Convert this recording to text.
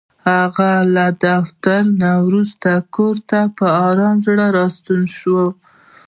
هغه له دفتره وروسته کور ته په ارامه زړه راستون شو.